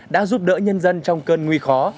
đã giúp đỡ nhân dân trong cơn nguy khó